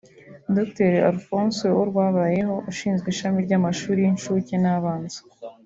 Dr Alphonse Uworwabayeho ushinzwe ishami ry’amashuri y’incuke n’abanza